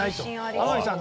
天海さん